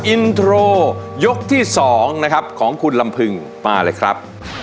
อินโทรยกที่๒นะครับของคุณลำพึงมาเลยครับ